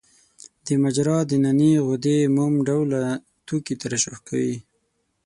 د مجرا د نني غدې موم ډوله توکي ترشح کوي.